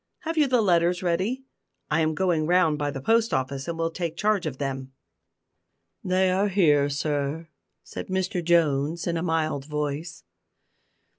Have you the letters ready? I am going round by the post office, and will take charge of them." "They are here, sir," said Mr Jones, in a mild voice.